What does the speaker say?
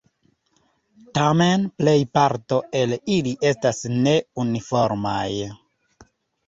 Tamen plejparto el ili estas ne uniformaj.